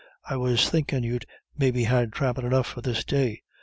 I was thinkin' you'd maybe had thrampin' enough for this day.